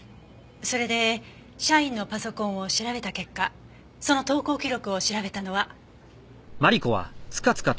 それで社員のパソコンを調べた結果その投稿記録を調べたのは。